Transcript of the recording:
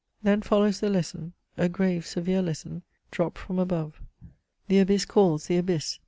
♦ Then follows the lesson, a grave, severe lesson, dropped from above. " The abyss calls the abyss.